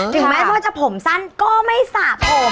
ถึงแม้ว่าจะผมสั้นก็ไม่สระผม